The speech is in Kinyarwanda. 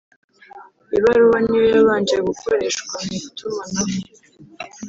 ibaruwa ni yo yabanje gukoreshwa mu itumanaho